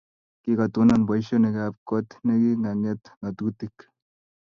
Kikatonon boisionik ab kot nr kingate ngatutik